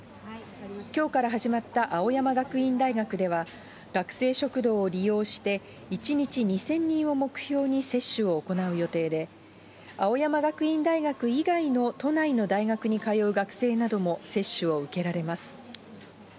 きょうから始まった青山学院大学では、学生食堂を利用して、１日２０００人を目標に接種を行う予定で、青山学院大学以外の都内の大学に通う学生なども接種を受けられます。